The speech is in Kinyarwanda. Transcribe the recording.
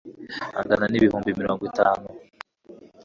angana n ibihumbi mirongo itanu